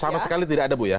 sama sekali tidak ada bu ya